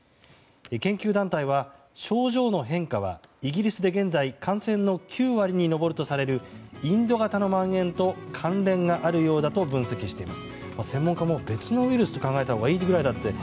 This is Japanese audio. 研究団体は症状の変化はイギリスで現在感染の９割に上るとされるインド型のまん延と関連があるようだと分析しています。